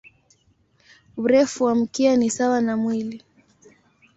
Urefu wa mkia ni sawa na mwili.